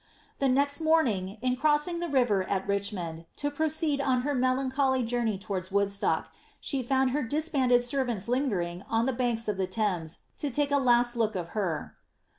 The next morning, iu crossing the river at Richmond, to proceed on ber melancholy journey towards Woodstock, she found her disbanded servants lingering on the banks of the Thames to take a last look of ber.